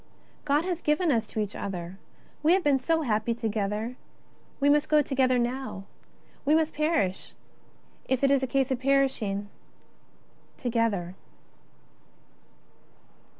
^' God has given us to each other ; we have been so happy together ; we must go together now. We must perish — if it is a case of perishing — together."